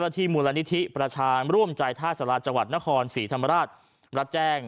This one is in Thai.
ที่มูลนิธิประชาญร่วมใจท่าสาราจังหวัดนครศรีธรรมราชรับแจ้ง